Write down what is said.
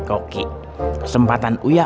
koki kesempatan uya